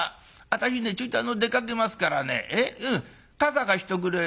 私ねちょいと出かけますからね傘貸しとくれよ。